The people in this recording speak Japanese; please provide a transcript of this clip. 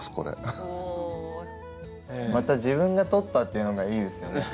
また自分が採ったっていうのがいいですよね。